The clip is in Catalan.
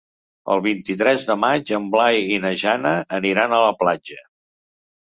El vint-i-tres de maig en Blai i na Jana aniran a la platja.